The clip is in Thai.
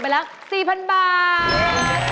ละ๔๐๐๐บาท